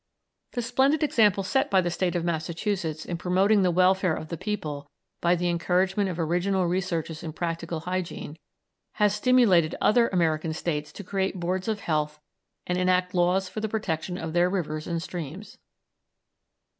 The splendid example set by the State of Massachusetts, in promoting the welfare of the people by the encouragement of original researches in practical hygiene, has stimulated other American States to create Boards of Health and enact laws for the protection of their rivers and streams.